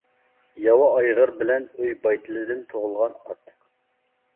ياۋا ئايغىر بىلەن ئۆي بايتىلىدىن تۇغۇلغان ئات.